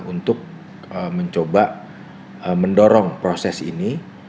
untuk mencoba mendorong proses ini